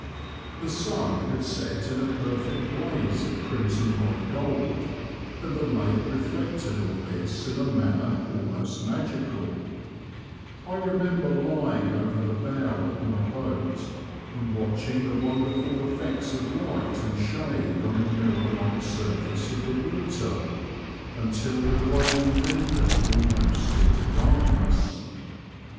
The sun had set in a perfect blaze of crimson like gold, and the lake reflected all this in a manner almost magical. I remember lying over the bow of Digitized by VjOOQIC HORNINa TO POTTBB HEIGHAM AND WAXHAM. 79 my boat and watching the wonderful effects of light and shade on the mirror like surface of the water, until the gloaming deepened almost into darkness.